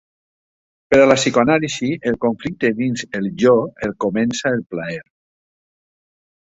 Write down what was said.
Per a la psicoanàlisi, el conflicte dins el jo el comença el plaer.